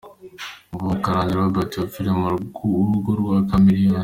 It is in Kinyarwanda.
Nguwo Karamagi Robert wapfiriye mu rugo rwa Chameleone.